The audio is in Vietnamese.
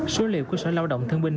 số liệu của sở lao động thương minh